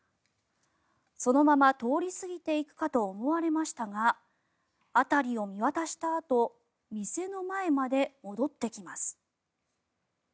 そのまま通り過ぎていくかと思われましたが辺りを見渡したあと店の前まで戻ってきます。